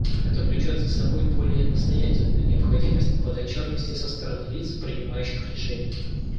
Это влечет за собой более настоятельную необходимость подотчетности со стороны лиц, принимающих решения.